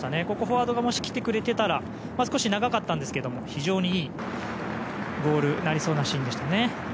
ここフォワードがもし来てくれていたら少し長かったんですけど非常にいいゴールになりそうなシーンでした。